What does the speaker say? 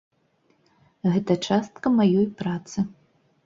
Гэта частка маёй працы.